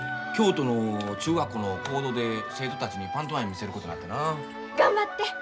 京都の中学校の講堂で生徒たちにパントマイム見せることになってな。頑張って。